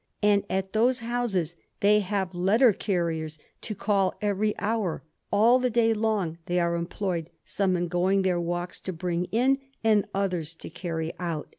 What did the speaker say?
And at those houses they have letter carriers to call every hour. ... All the day long they are employed, some in going their walks to bring in, and others to carry out.'